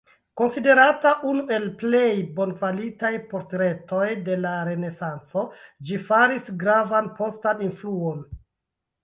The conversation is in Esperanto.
Konsiderata unu el plej bonkvalitaj portretoj de la Renesanco, ĝi faris gravan postan influon.